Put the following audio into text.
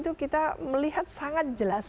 itu kita melihat sangat jelas